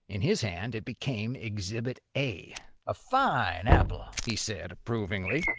In his hand it became Exhibit A. "A fine apple," he said, approvingly.